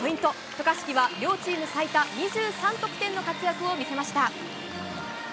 渡嘉敷は両チーム最多２３得点の活躍を見せました。